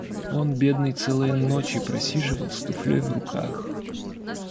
Он, бедный, целые ночи просиживал с туфлёй в руках...